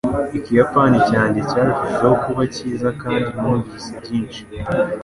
Ikiyapani cyanjye cyarushijeho kuba cyiza kandi numvise byinshi.